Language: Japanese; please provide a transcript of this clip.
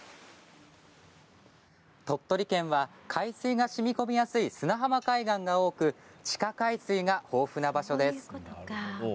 鳥取県は海水がしみこみやすい砂浜海岸が多く地下海水が豊富な場所です。